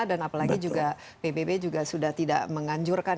dan apalagi juga bbb juga sudah tidak menganjurkan